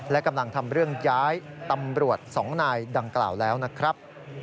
และกำลังทำเรื่องย้ายตำรวจ๒นายดังกล่าวแล้วนะครับ